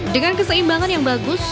dengan keseimbangan yang bagus